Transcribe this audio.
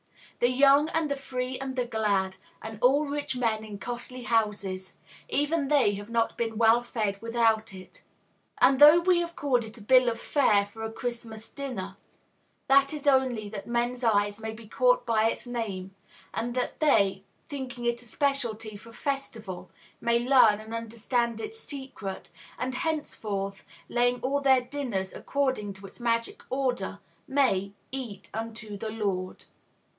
The young and the free and the glad, and all rich men in costly houses, even they have not been well fed without it. And though we have called it a Bill of Fare for a Christmas Dinner, that is only that men's eyes may be caught by its name, and that they, thinking it a specialty for festival, may learn and understand its secret, and henceforth, laying all their dinners according to its magic order, may "eat unto the Lord."